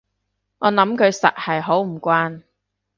我諗佢實係好唔慣